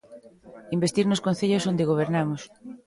Investir nos concellos onde gobernamos.